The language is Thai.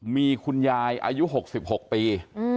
มีคุณยายอายุ๖๖ปี